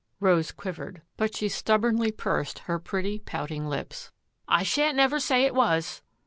Rose quivered, but she stubbornly pursed her pretty, pouting lips. " I shan't never say it was